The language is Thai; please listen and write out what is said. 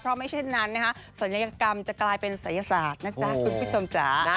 เพราะไม่เช่นนั้นศัลยกรรมจะกลายเป็นศัลยศาสตร์